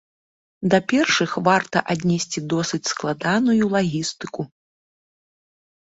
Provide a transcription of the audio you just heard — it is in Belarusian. Да першых варта аднесці досыць складаную лагістыку.